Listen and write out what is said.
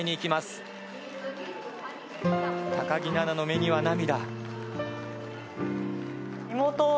木菜那の目には涙。